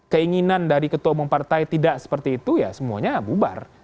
keinginan dari ketua umum partai tidak seperti itu ya semuanya bubar